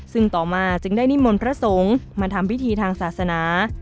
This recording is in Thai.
ซึ่งต่อมาจึงได้นิมนต์พระสงฆ์มาทำพิธีทางศาสนา